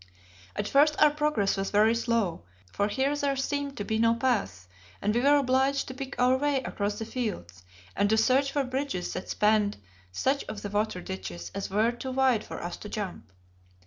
At first our progress was very slow, for here there seemed to be no path, and we were obliged to pick our way across the fields, and to search for bridges that spanned such of the water ditches as were too wide for us to jump.